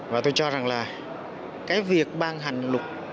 và tôi cho rằng là cái việc ban hành luật